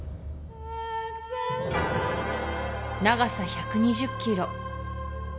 長さ１２０キロ